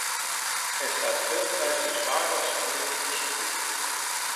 Er staat veel prijzenswaardigs in dit initiatief.